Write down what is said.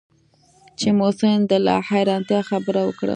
چې محسن د لا حيرانتيا خبره وکړه.